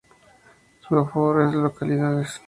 Su aforo es de localidades.